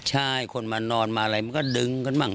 ใช่คนมานอนมาอะไรมันก็ดึงกันบ้าง